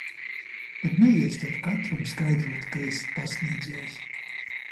Bet neiesi taču katram skaidrot, ka esi pasniedzējs.